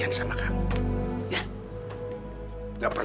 yang berisi kalo kamu menggunakan